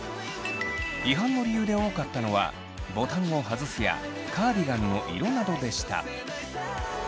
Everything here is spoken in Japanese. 違反の理由で多かったのはボタンを外すやカーディガンの色などでした。